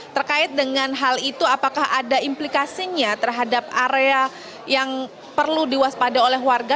terkait dengan hal itu apakah ada implikasinya terhadap area yang perlu diwaspada oleh warga